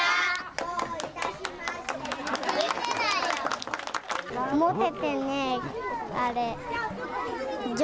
どういたしまして。